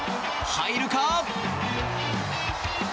入るか？